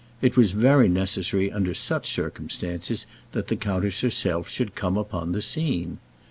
It was very necessary under such circumstances that the countess herself should come upon the scene.